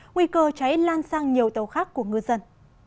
nguy cơ cháy lan sang nhiều tàu khác của ngư dân